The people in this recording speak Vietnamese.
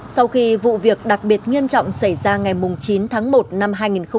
sau khi vụ việc đặc biệt nghiêm trọng xảy ra ngày chín tháng một năm hai nghìn hai mươi